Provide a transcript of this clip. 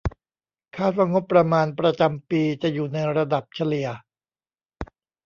คาดว่างบประมาณประจำปีจะอยู่ในระดับเฉลี่ย